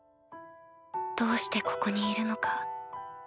どうしてここにいるのか。